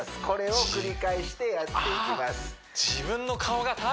これを繰り返してやっていきます